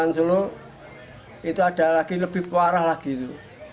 di solo itu ada lagi lebih parah lagi itu